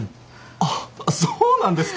あっそうなんですか。